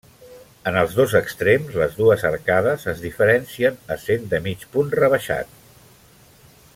En els dos extrems, les dues arcades es diferencien essent de mig punt rebaixat.